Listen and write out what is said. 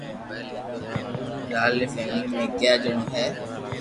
لال ري فيملي مي اگياري جڻو ھي